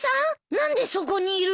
何でそこにいるの？